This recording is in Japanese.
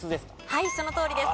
はいそのとおりです。